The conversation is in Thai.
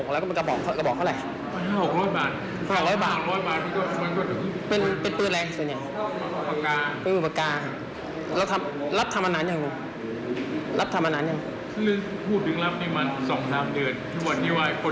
แล้วส่วนใหญ่ก็จะไปดูลูกค้าเป็นพวกเดี๋ยวชีวะใช่มั้ย